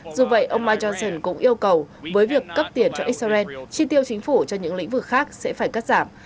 dù vậy ông mike johnson cũng yêu cầu với việc cấp tiền cho israel chi tiêu chính phủ cho những lĩnh vực khác sẽ phải cắt giảm